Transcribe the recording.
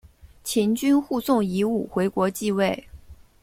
秦军护送夷吾回国即位。